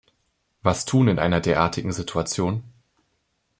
Was tun in einer derartigen Situation?